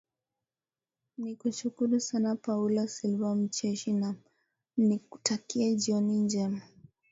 nikushukuru sana paulo silva mcheshi na nikutakie jioni njema